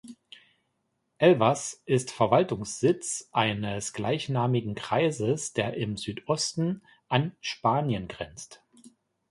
Elvas ist Verwaltungssitz eines gleichnamigen Kreises, der im Südosten an Spanien grenzt.